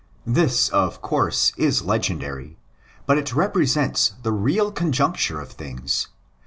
This, of course, is legendary; but it represents the real conjuncture of things.